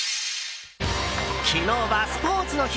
昨日はスポーツの日。